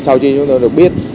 sau khi chúng tôi được biết